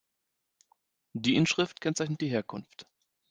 Die Inschrift kennzeichnet die Herkunft.